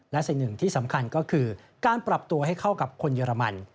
และสิ่งหนึ่งที่สำคัญก็คือการปรับตัวให้เข้ากับคนเยอรมัน